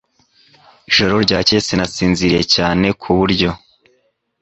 Ijoro ryakeye sinasinziriye cyane ku buryo